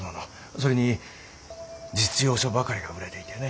それに実用書ばかりが売れていてね。